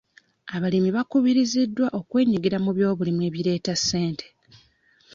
Abalimi bakubiriziddwa okwenyigira mu byobulimi ebireeta ssente.